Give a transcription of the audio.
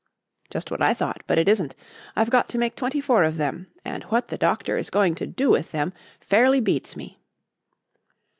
"Just what I thought; but it isn't. I've got to make twenty four of them, and what the Doctor is going to do with them fairly beats me."